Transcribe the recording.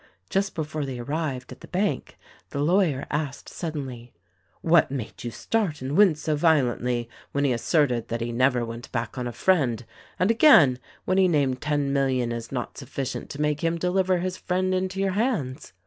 Just before they arrived at the bank the lawyer asked suddenly : "What made you start and wince so violently when he asserted that he never went back on a friend, and again when he named ten million as not sufficient to make him deliver his friend into your hands?"